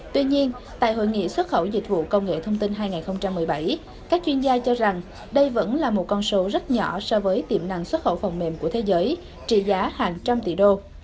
tuy nhiên tại hội nghị xuất khẩu dịch vụ công nghệ thông tin hai nghìn một mươi bảy các chuyên gia cho rằng đây vẫn là một con số rất nhỏ so với tiềm năng xuất khẩu phần mềm của thế giới trị giá hàng trăm tỷ đô